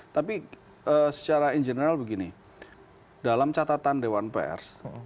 tapi secara in general begini dalam catatan dewan pers